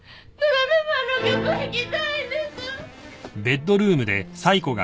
だめもあの曲弾きたいんです！